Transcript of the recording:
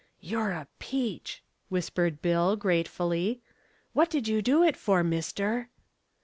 "You're a peach," whispered Bill, gratefully "What did you do it for, mister?"